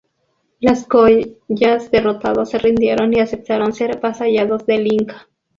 Los collas, derrotados se rindieron y aceptaron ser vasallos del Inca.